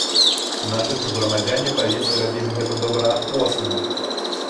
Нашы суграмадзяне павінны рабіць гэта добраахвотна.